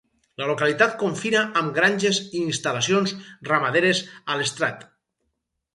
La localitat confina amb granges i instal·lacions ramaderes a l'estrat.